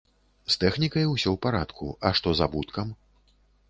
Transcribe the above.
З тэхнікай усё ў парадку, а што з абуткам?